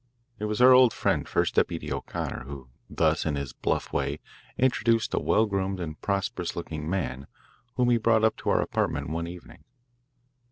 It was our old friend First Deputy O'Connor who thus in his bluff way introduced a well groomed and prosperous looking man whom he brought up to our apartment one evening.